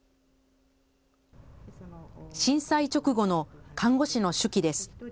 震災直後の看護師の手記です。